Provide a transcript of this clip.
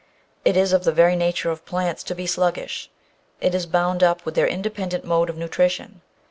It is of the very nature of plants to be sluggish. It is bound up with their independent mode of nutri tion.